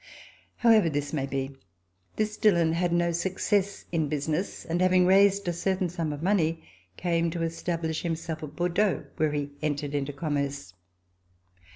However this may be, this Dillon had no success in business, and, having raised a certain sum of money, came to establish himself at Bordeaux, where he entered into commerce.